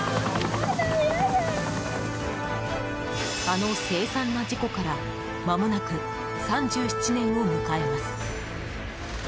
あの凄惨な事故からまもなく３７年を迎えます。